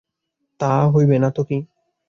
তাহা হইবে না তো কী।